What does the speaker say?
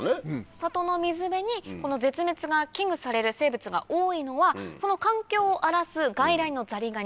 里の水辺にこの絶滅が危惧される生物が多いのはその環境を荒らす外来のザリガニ